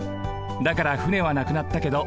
だから船はなくなったけど